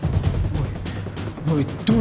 おい。